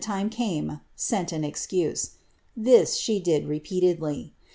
lime came, seni an escnse. This she Uiil repeaiediy.